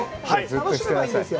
楽しめばいいんですよ。